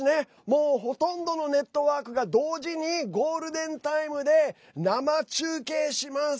もう、ほとんどのネットワークが同時にゴールデンタイムで生中継します。